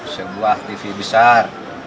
sebuah tv besar